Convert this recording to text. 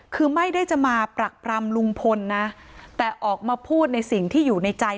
คือไม่ได้จะมาปรักปรำลุงพลนะแต่ออกมาพูดในสิ่งที่อยู่ในใจ